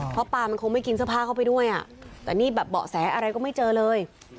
เพราะปลามันคงไม่กินเสื้อผ้าเข้าไปด้วยอ่ะแต่นี่แบบเบาะแสอะไรก็ไม่เจอเลย